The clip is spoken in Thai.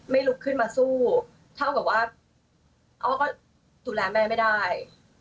ลุกขึ้นมาสู้เท่ากับว่าอ้อก็ดูแลแม่ไม่ได้